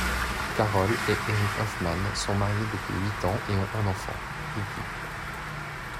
Carol et Eric Hoffman sont mariés depuis huit ans et ont un enfant, Ricky.